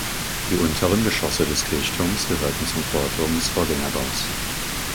Die unteren Geschosse des Kirchturms gehörten zum Chorturm des Vorgängerbaus.